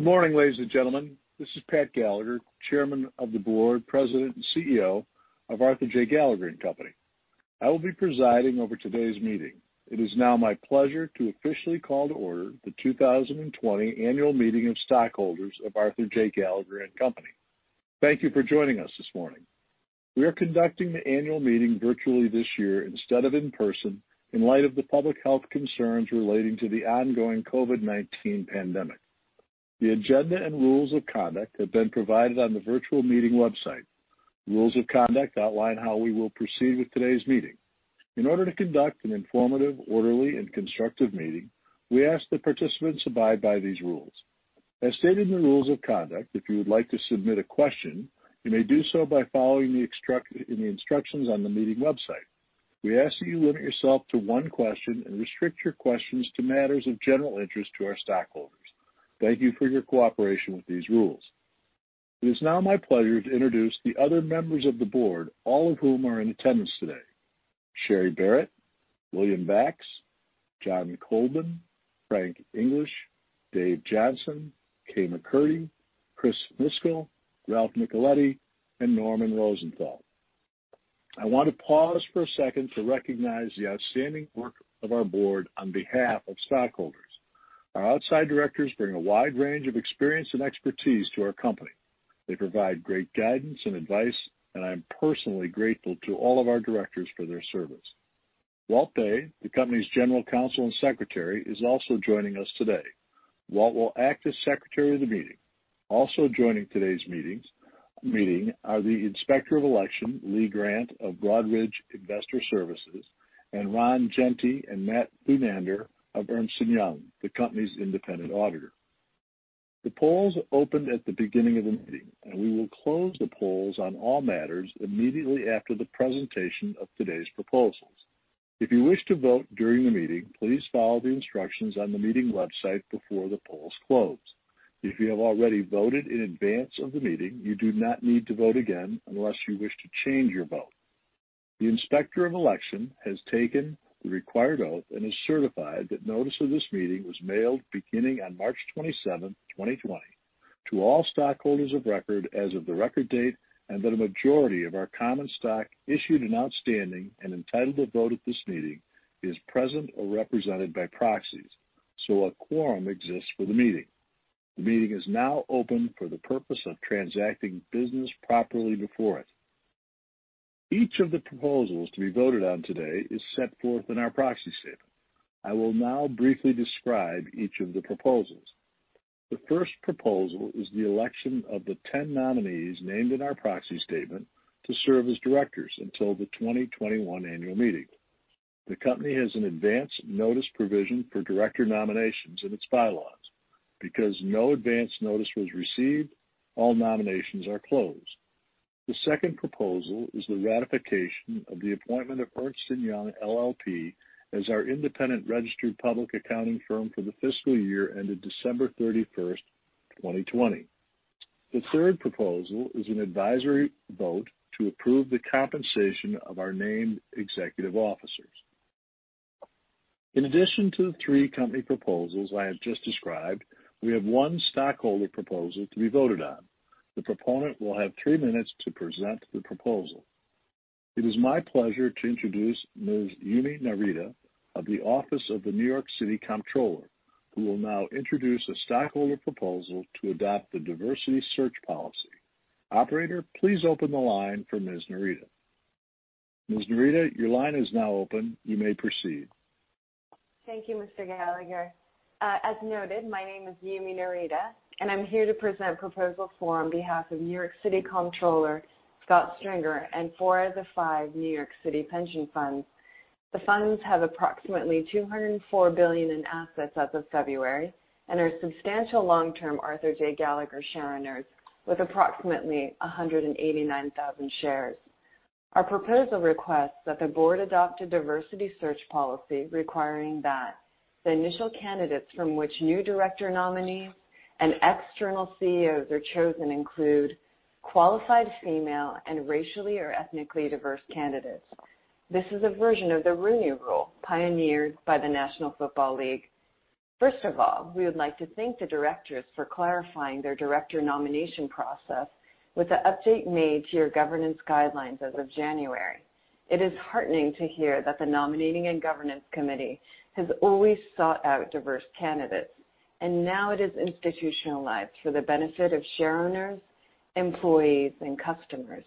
Good morning, ladies and gentlemen. This is Pat Gallagher, Chairman of the Board, President, and CEO of Arthur J. Gallagher & Company. I will be presiding over today's meeting. It is now my pleasure to officially call to order the 2020 Annual Meeting of Stockholders of Arthur J. Gallagher & Company. Thank you for joining us this morning. We are conducting the annual meeting virtually this year instead of in person, in light of the public health concerns relating to the ongoing COVID-19 pandemic. The agenda and rules of conduct have been provided on the virtual meeting website. Rules of conduct outline how we will proceed with today's meeting. In order to conduct an informative, orderly, and constructive meeting, we ask that participants abide by these rules. As stated in the rules of conduct, if you would like to submit a question, you may do so by following the instructions on the meeting website. We ask that you limit yourself to one question and restrict your questions to matters of general interest to our stockholders. Thank you for your cooperation with these rules. It is now my pleasure to introduce the other members of the Board, all of whom are in attendance today: Sherry Barrat, William Bax, John Coldman, Frank English, Dave Johnson, Kay McCurdy, Chris Miskel, Ralph Nicoletti, and Norman Rosenthal. I want to pause for a second to recognize the outstanding work of our Board on behalf of stockholders. Our outside directors bring a wide range of experience and expertise to our company. They provide great guidance and advice, and I am personally grateful to all of our directors for their service. Walt Bay, the Company's General Counsel and Secretary, is also joining us today. Walt will act as Secretary of the Meeting. Also joining today's meeting are the Inspector of Election, Leigh Grant of Broadridge Investor Services, and Ron Genty and Matt Bunander of Ernst & Young, the Company's independent auditor. The polls opened at the beginning of the meeting, and we will close the polls on all matters immediately after the presentation of today's proposals. If you wish to vote during the meeting, please follow the instructions on the meeting website before the polls close. If you have already voted in advance of the meeting, you do not need to vote again unless you wish to change your vote. The Inspector of Election has taken the required oath and has certified that notice of this meeting was mailed beginning on March 27, 2020, to all stockholders of record as of the record date, and that a majority of our common stock issued and outstanding and entitled to vote at this meeting is present or represented by proxies. A quorum exists for the meeting. The meeting is now open for the purpose of transacting business properly before it. Each of the proposals to be voted on today is set forth in our proxy statement. I will now briefly describe each of the proposals. The first proposal is the election of the 10 nominees named in our proxy statement to serve as directors until the 2021 Annual Meeting. The Company has an advance notice provision for director nominations in its bylaws. Because no advance notice was received, all nominations are closed. The second proposal is the ratification of the appointment of Ernst & Young LLP, as our independent registered public accounting firm for the fiscal year ended December 31st, 2020. The third proposal is an advisory vote to approve the compensation of our named executive officers. In addition to the three Company proposals I have just described, we have one stockholder proposal to be voted on. The proponent will have three minutes to present the proposal. It is my pleasure to introduce Ms. Yumi Narita of the Office of the New York City Comptroller, who will now introduce a stockholder proposal to adopt the diversity search policy. Operator, please open the line for Ms. Narita. Ms. Narita, your line is now open. You may proceed. Thank you, Mr. Gallagher. As noted, my name is Yumi Narita, and I'm here to present a proposal for, on behalf of New York City Comptroller, Scott Stringer, and four of the five New York City Pension Funds. The funds have approximately $204 billion in assets as of February and are substantial long-term Arthur J. Gallagher share owners with approximately 189,000 shares. Our proposal requests that the Board adopt a diversity search policy requiring that the initial candidates from which new director nominees and external CEOs are chosen include qualified female and racially or ethnically diverse candidates. This is a version of the Rooney Rule pioneered by the National Football League. First of all, we would like to thank the directors for clarifying their director nomination process with the update made to your governance guidelines as of January. It is heartening to hear that the Nominating and Governance Committee has always sought out diverse candidates, and now it has institutionalized for the benefit of share owners, employees, and customers.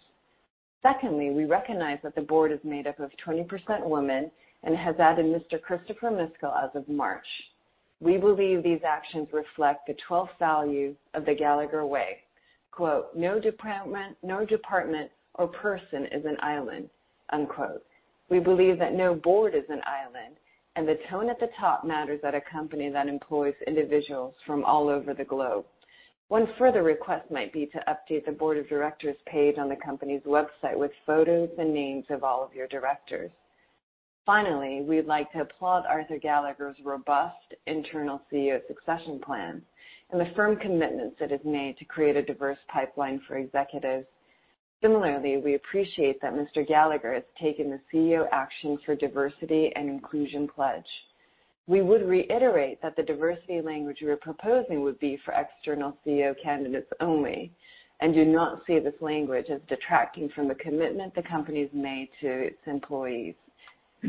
Secondly, we recognize that the Board is made up of 20% women and has added Mr. Christopher Miskel as of March. We believe these actions reflect the 12th value of the Gallagher Way. "No department or person is an island." We believe that no board is an island, and the tone at the top matters at a company that employs individuals from all over the globe. One further request might be to update the Board of Directors page on the Company's website with photos and names of all of your directors. Finally, we would like to applaud Arthur J. Gallagher's robust internal CEO succession plan and the firm commitments that have been made to create a diverse pipeline for executives. Similarly, we appreciate that Mr. Gallagher has taken the CEO Action for Diversity and Inclusion pledge. We would reiterate that the diversity language we are proposing would be for external CEO candidates only and do not see this language as detracting from the commitment the Company has made to its employees.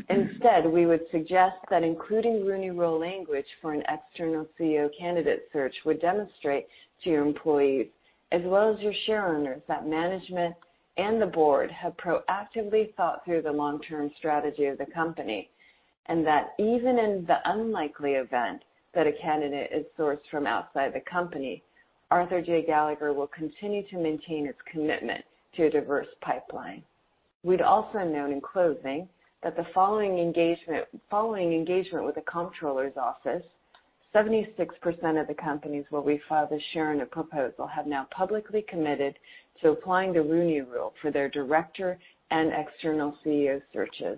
Instead, we would suggest that including Rooney Rule language for an external CEO candidate search would demonstrate to your employees, as well as your share owners, that management and the Board have proactively thought through the long-term strategy of the Company and that even in the unlikely event that a candidate is sourced from outside the Company, Arthur J. Gallagher will continue to maintain its commitment to a diverse pipeline. We'd also note in closing that following engagement with the Comptroller's Office, 76% of the companies where we filed a share ownership proposal have now publicly committed to applying the Rooney Rule for their director and external CEO searches.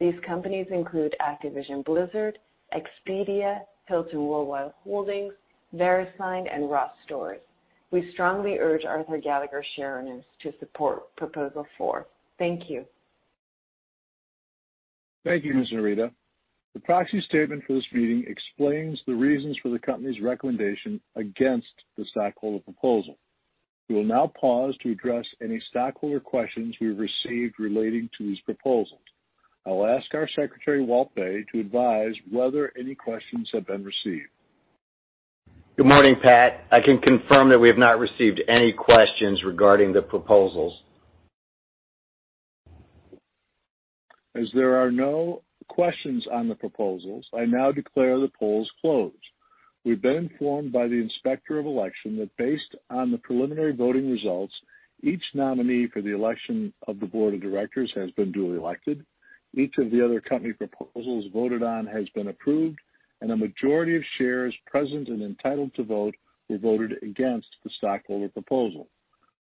These companies include Activision Blizzard, Expedia, Hilton Worldwide Holdings, Verisign, and Ross Stores. We strongly urge Arthur J. Gallagher share owners to support Proposal 4. Thank you. Thank you, Ms. Narita. The proxy statement for this meeting explains the reasons for the Company's recommendation against the stockholder proposal. We will now pause to address any stockholder questions we've received relating to these proposals. I'll ask our Secretary, Walt Bay, to advise whether any questions have been received. Good morning, Pat. I can confirm that we have not received any questions regarding the proposals. As there are no questions on the proposals, I now declare the polls closed. We've been informed by the Inspector of Election that based on the preliminary voting results, each nominee for the election of the Board of Directors has been duly elected, each of the other company proposals voted on has been approved, and a majority of shares present and entitled to vote were voted against the stockholder proposal.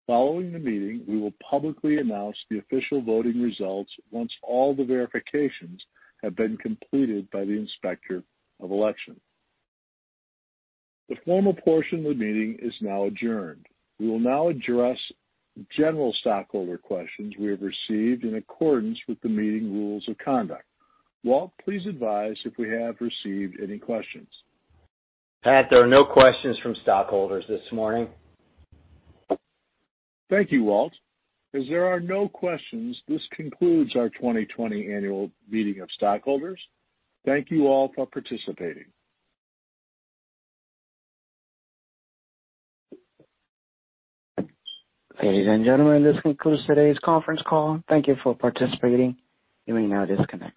Following the meeting, we will publicly announce the official voting results once all the verifications have been completed by the Inspector of Election. The formal portion of the meeting is now adjourned. We will now address general stockholder questions we have received in accordance with the meeting rules of conduct. Walt, please advise if we have received any questions. Pat, there are no questions from stockholders this morning. Thank you, Walt. As there are no questions, this concludes our 2020 Annual Meeting of Stockholders. Thank you all for participating. Ladies and gentlemen, this concludes today's conference call. Thank you for participating. You may now disconnect.